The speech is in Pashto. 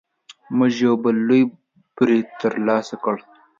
موږ یو بل لوی بری تر لاسه کړ.